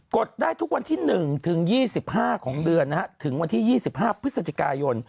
ดได้ทุกวันที่๑ถึง๒๕ของเดือนถึงวันที่๒๕พฤศจิกายน